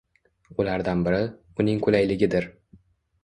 Ulardan biri – uning qulayligidir.